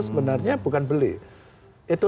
sebenarnya bukan beli itu